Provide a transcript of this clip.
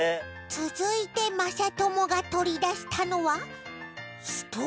つづいてまさともがとりだしたのはストロー！？